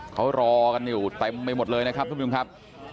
เขารอกันอยู่เต็มไปหมดเลยนะครับทุกผู้ชมครับ